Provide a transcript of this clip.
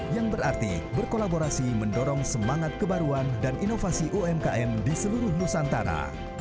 yang berarti berkolaborasi mendorong semangat kebaruan dan inovasi umkm di seluruh nusantara